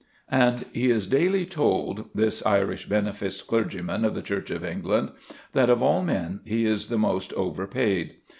And he is daily told, this Irish beneficed clergyman of the Church of England, that of all men he is the most overpaid.